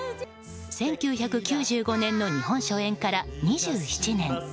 １９９５年の日本初演から２７年。